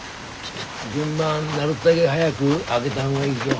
原盤なるったけ早く揚げた方がいいぞ。